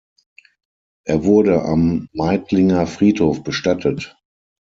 Er wurde am Meidlinger Friedhof bestattet.